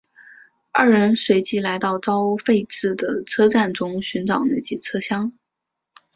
二人随即来到遭废置的车站中寻找那节车厢。